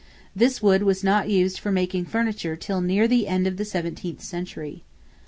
This wood was not used for making furniture till near the end of the seventeenth century.